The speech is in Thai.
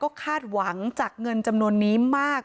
พี่สาวบอกว่าไม่ได้ไปกดยกเลิกรับสิทธิ์นี้ทำไม